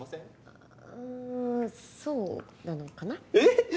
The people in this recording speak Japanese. うーんそうなのかな？えっ！？